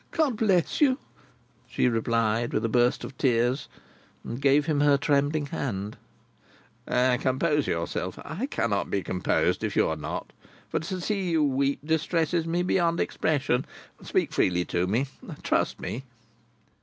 "God bless you!" she replied, with a burst of tears, and gave him her trembling hand. "Compose yourself. I cannot be composed if you are not, for to see you weep distresses me beyond expression. Speak freely to me. Trust me."